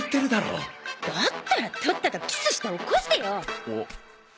だったらとっととキスして起こしてよ。